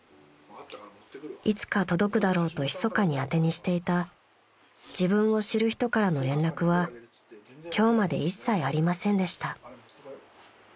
［いつか届くだろうとひそかに当てにしていた自分を知る人からの連絡は今日まで一切ありませんでした］